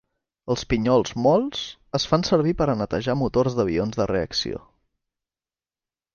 Els pinyols mòlts es fan servir per a netejar motors d'avions de reacció.